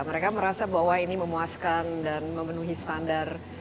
mereka merasa bahwa ini memuaskan dan memenuhi standar